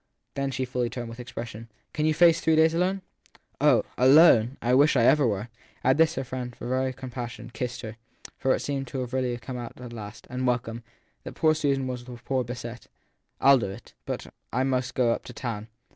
Then she fully turned, and with expression : Can you face three days alone ? Oh " alone "! I wish I ever were ! At this her friend, as for very compassion, kissed her ; for it seemed really to have come out at last and welcome ! that poor Susan was the worse beset. I ll do it ! But I must go up to town.